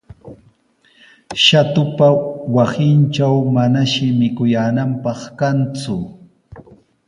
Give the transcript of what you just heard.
Shatupa wasintraw manashi mikuyaananpaq kanku.